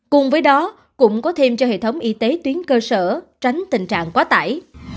cùng với đó cũng có thêm cho hệ thống y tế tuyến cơ sở tránh tình trạng quá tải